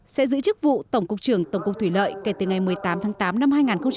sẽ giữ chức vụ tổng cục trưởng tổng cục thủy lợi kể từ ngày một mươi tám tháng tám năm hai nghìn một mươi chín